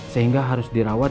sehingga harus dirawat